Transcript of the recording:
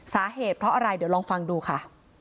สาเหตุเพราะอะไรเดี๋ยวลองฟังดูค่ะ